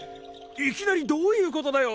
いきなりどういうことだよ？